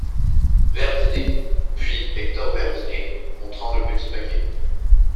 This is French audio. Verdinet ; puis Hector Verdinet , montrant le petit paquet.